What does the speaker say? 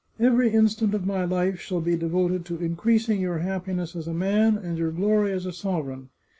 Every instant of my life shall be devoted to in creasing your happiness as a man, and your glory as a sover eign.